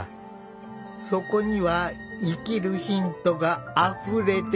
そこには生きるヒントがあふれている。